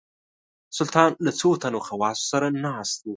سلطان له څو تنو خواصو سره ناست وو.